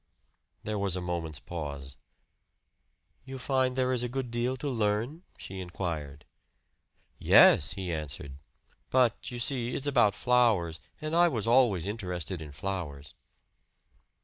There was a moment's pause. "You find there is a good deal to learn?" she inquired. "Yes," he answered. "But you see, it's about flowers, and I was always interested in flowers."